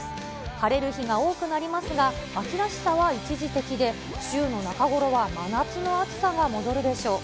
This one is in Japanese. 晴れる日が多くなりますが、秋らしさは一時的で、週の中頃は真夏の暑さが戻るでしょう。